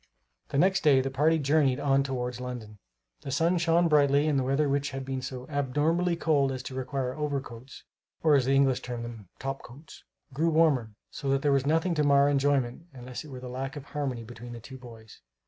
The next day the party journeyed on towards London. The sun shone brightly and the weather, which had been so abnormally cold as to require overcoats, or as the English term them, "top coats," grew warmer, so that there was nothing to mar enjoyment unless it were the lack of harmony between the two boys.